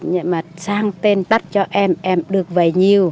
nhưng mà sang tiền tắt cho em em được vay nhiều